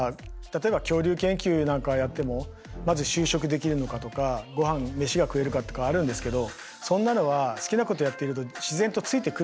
例えば恐竜研究なんかやってもまず就職できるのかとかごはん飯が食えるかとかあるんですけどそんなのは好きなことやってると自然とついてくるんですよね。